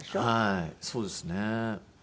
はいそうですね。